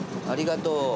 ありがとう。